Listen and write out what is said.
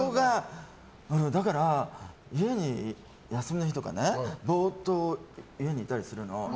だから、休みの日とかねぼーっと家にいたりするの。